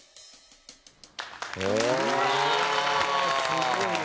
すごいわ。